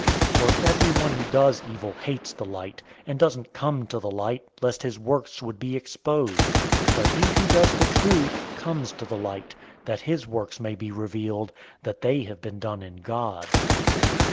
003:020 For everyone who does evil hates the light, and doesn't come to the light, lest his works would be exposed. 003:021 But he who does the truth comes to the light, that his works may be revealed, that they have been done in God."